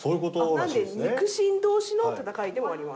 なので肉親同士の戦いでもあります。